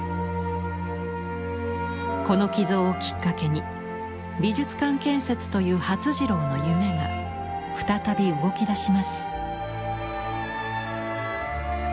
この寄贈をきっかけに美術館建設という發次郎の夢が再び動きだします。